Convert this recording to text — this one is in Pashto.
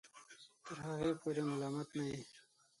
تر هغه پورې ملامت نه یې